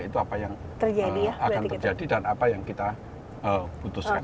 itu apa yang akan terjadi dan apa yang kita putuskan